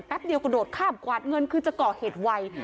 เดียวกระโดดข้ามกวาดเงินคือจะก่อเหตุไว